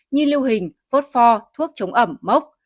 như lưu hình vốt pho thuốc chống ẩm mốc